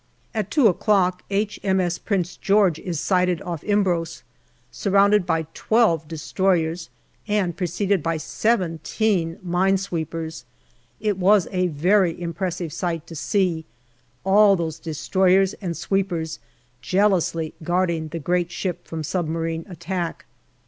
At two o'clock H.M.S. Prince George is sighted off Imbros, surrounded by twelve destroyers and preceded by seventeen mine sweepers. It was a very impressive sight to see all these destroyers and sweepers jealously guarding the great ship from submarine attack.